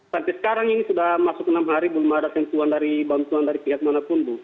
sampai sekarang ini sudah masuk enam hari belum ada bantuan dari pihak manapun bu